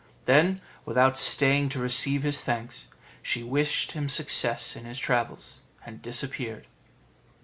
Then, without staying to receive his thanks, she wished him success in his travels and disappeared.